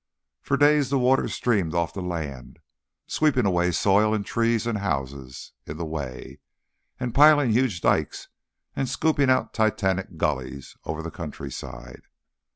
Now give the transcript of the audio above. For days the water streamed off the land, sweeping away soil and trees and houses in the way, and piling huge dykes and scooping out Titanic gullies over the country side.